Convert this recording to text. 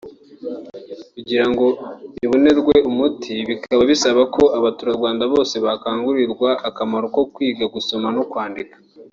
kugira ngo ibonerwe umuti bikaba bisaba ko abaturarwanda bose bakangurirwa akamaro ko kwiga gusoma no kwandika